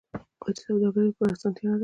آیا دا د سوداګرۍ لپاره اسانتیا نه ده؟